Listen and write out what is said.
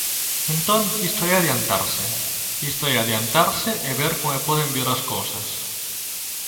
Entón isto é adiantarse, isto é adiantarse e ver como poden vir as cousas.